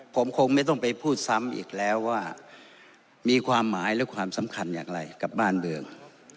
ผมคงไม่ต้องไปพูดซ้ำอีกแล้วว่ามีความหมายและความสำคัญอย่างไรกับบ้านเมือง